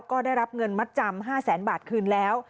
ก็ได้รับเงินมัดจำ๕แสนบาทคืนแล้ว